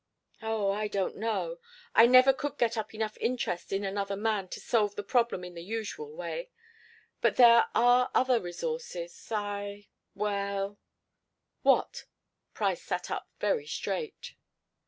"Oh, I don't know. I never could get up enough interest in another man to solve the problem in the usual way but there are other resources I well " "What?" Price sat up very straight.